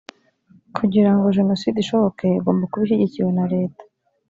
kugira ngo jenoside ishoboke igomba kuba ishyigikiwe na leta